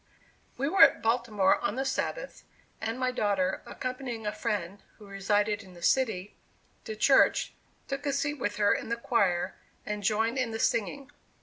We were at Baltimore on the Sabbath, and my daughter, accompanying a friend, who resided in the city, to church, took a seat with her in the choir, and joined in the singing.